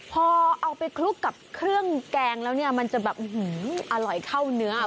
พอเอาไปคลุกกับเครื่องแกงแล้วเนี่ยมันจะแบบอร่อยเข้าเนื้อ